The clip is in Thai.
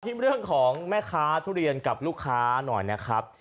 เรื่องของแม่ค้าทุเรียนกับลูกค้าหน่อยนะครับ